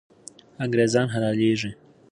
انګریزان حلالېږي.